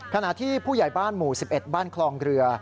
ขณะที่ผู้ใหญ่บ้านหมู่๑๑บ้านคลองเรือ